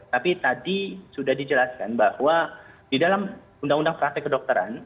tapi tadi sudah dijelaskan bahwa di dalam undang undang praktek kedokteran